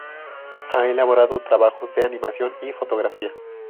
Ha elaborado trabajos de animación y fotografía.